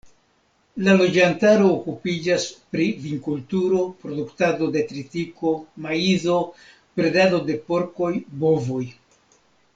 La loĝantaro okupiĝas pri vinkulturo, produktado de tritiko, maizo, bredado de porkoj, bovoj.